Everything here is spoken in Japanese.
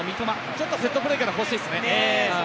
ちょっとセットプレーから欲しいですね。